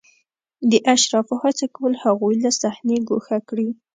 اشرافو هڅه کوله هغوی له صحنې ګوښه کړي.